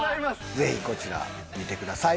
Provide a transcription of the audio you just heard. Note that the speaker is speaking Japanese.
ぜひこちら見てください。